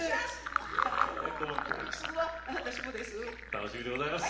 楽しみでございます。